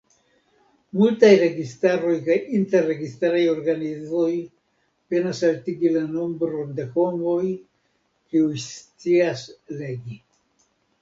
Multaj registaroj kaj inter-registaraj organizoj penas altigi la nombron de homoj kiuj scias legi.